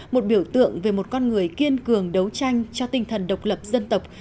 một biểu tượng về một con người kiên cường đấu tranh cho tinh thần độc lập dân tộc